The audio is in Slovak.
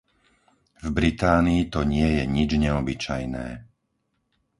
V Británii to nie je nič neobyčajné.